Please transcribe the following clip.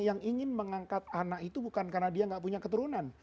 yang ingin mengangkat anak itu bukan karena dia nggak punya keturunan